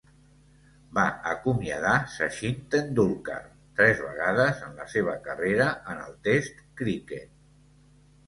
Va acomiadar Sachin Tendulkar tres vegades en la seva carrera en el test criquet.